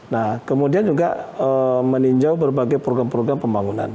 nah kemudian juga meninjau berbagai program program pembangunan